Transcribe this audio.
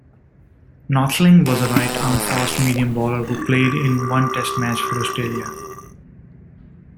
Nothling was a right-arm fast-medium bowler who played in one Test match for Australia.